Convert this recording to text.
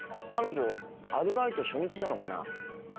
彼女アルバイト初日なのかな。